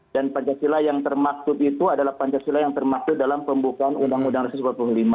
dan pancasila yang termaktud itu adalah pancasila yang termaktud dalam pembukaan undang undang dasar dua puluh lima